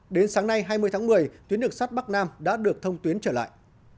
đến sáng nay hai mươi tháng một mươi tuyến đường sắt bắc nam đã được thông tuyến trở lại